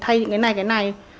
thay cái này cái này